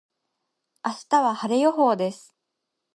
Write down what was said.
明日は晴れ予報です。